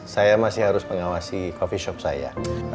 saya masih harus mengawasi coffee shop saya